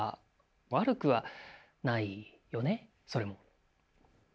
悪くはないよねそれも。